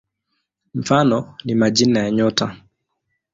Mfano ni majina ya nyota.